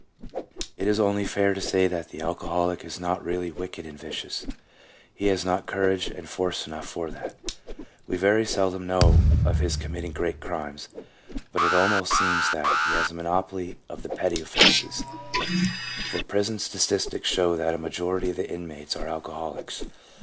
It is only fair to say that the alcoholic is not really wicked and vicious; he has not courage and force enough for that. We very seldom know of his committing great crimes, but it almost seems that he has the monopoly of the petty offences, for prison statistics show that a majority of the inmates are alcoholics.